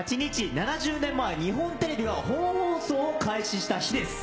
７０年前、日本テレビが本放送を開始した日です。